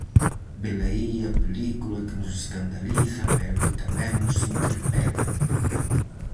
Velaí a película que nos escandaliza, pero que tamén nos interpela.